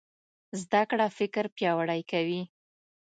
زده کړه فکر پیاوړی کوي.